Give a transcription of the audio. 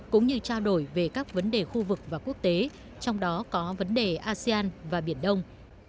cũng như trao đổi về các vấn đề khu vực và quốc tế trong đó có vấn đề asean và biển đông